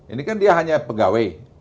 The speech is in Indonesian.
ini kan dia hanya pegawai